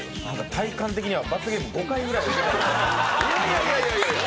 体感的には罰ゲーム５回くらい受けた。